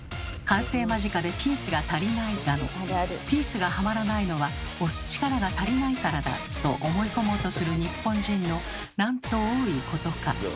「完成間近でピースが足りない」だの「ピースがはまらないのは押す力が足りないからだ」と思い込もうとする日本人のなんと多いことか。